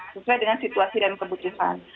sesuai dengan situasi dan keputusan